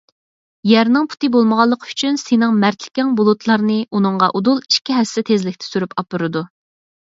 يەرنىڭ پۇتى بولمىغانلىقى ئۈچۈن سېنىڭ مەردلىكىڭ بۇلۇتلارنى ئۇنىڭغا ئۇدۇل ئىككى ھەسسە تېزلىكتە سۈرۈپ ئاپىرىدۇ.